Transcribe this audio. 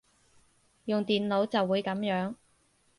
用電腦就會噉樣